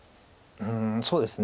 うんそうですね。